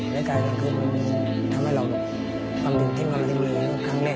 และกลายเป็นคือทำให้เรารู้ความจริงที่เมืองไทยมีครั้งแรก